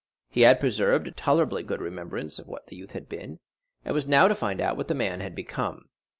He had preserved a tolerably good remembrance of what the youth had been, and was now to find out what the man had become.